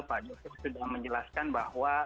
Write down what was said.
pak jokowi sudah menjelaskan bahwa